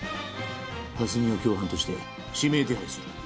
蓮見を共犯として指名手配する。